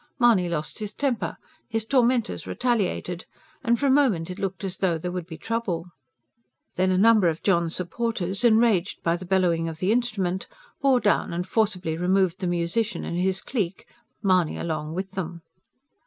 Mahony lost his temper; his tormentors retaliated; and for a moment it looked as though there would be trouble. Then a number of John's supporters, enraged by the bellowing of the instrument, bore down and forcibly removed the musician and his clique, Mahony along with them.